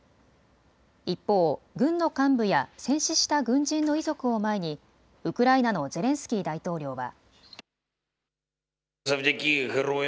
一方、軍の幹部や戦死した軍人の遺族を前にウクライナのゼレンスキー大統領は。